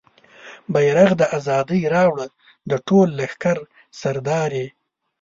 بیرغ د ازادۍ راوړه د ټول لښکر سردارې